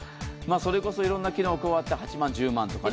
それこそいろんな機能が加わって８万とか１０万とか。